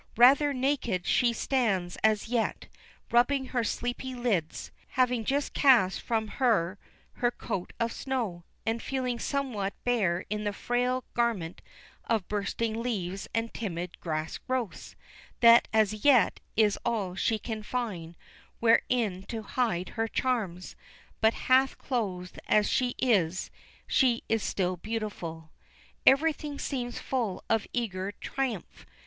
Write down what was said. Rather naked she stands as yet, rubbing her sleepy lids, having just cast from her her coat of snow, and feeling somewhat bare in the frail garment of bursting leaves and timid grass growths, that as yet is all she can find wherein to hide her charms; but half clothed as she is, she is still beautiful. Everything seems full of eager triumph.